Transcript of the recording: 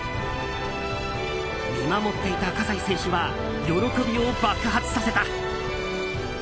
見守っていた葛西選手は喜びを爆発させた。